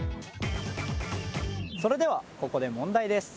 それではここで問題です。